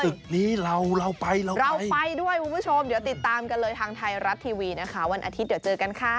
ศึกนี้เราไปด้วยเจอค่ะคุณผู้ชมเดี๋ยวติดตามเลยทางไทยรัดเทวีวันอาทิตย์เดี๋ยวเจอกันค่ะ